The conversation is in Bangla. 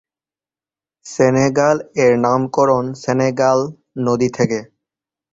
সেনেগাল-এর নামকরণ সেনেগাল নদী থেকে।